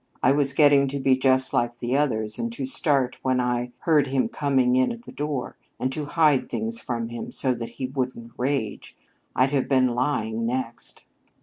I was getting to be just like the others, and to start when I heard him coming in at the door, and to hide things from him so that he wouldn't rage. I'd have been lying next."